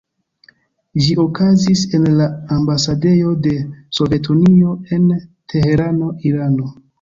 Ĝi okazis en la ambasadejo de Sovetunio en Teherano, Irano.